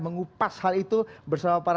mengupas hal itu bersama para